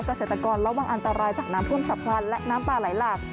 เกษตรกรระวังอันตรายจากน้ำท่วมฉับพลันและน้ำป่าไหลหลาก